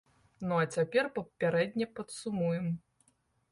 Ну а цяпер папярэдне падсумуем.